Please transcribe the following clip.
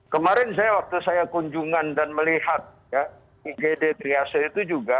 kemarin saya waktu saya kunjungan dan melihat igd triase itu juga